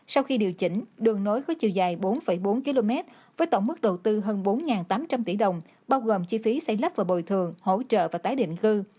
sau khi điều chỉnh đường nối có chiều dài bốn bốn km với tổng mức đầu tư hơn bốn tám trăm linh tỷ đồng bao gồm chi phí xây lắp và bồi thường hỗ trợ và tái định cư